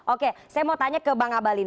oke saya mau tanya ke bang abalin